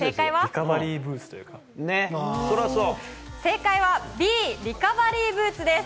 正解はＢ、リカバリーブーツです。